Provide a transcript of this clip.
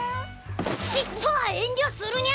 ちっとは遠慮するニャ！